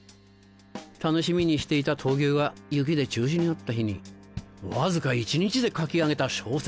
楽しみにしていた闘牛が雪で中止になった日にわずか一日で書き上げた小説